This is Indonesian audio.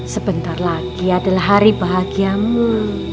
sebentar lagi adalah hari bahagiamu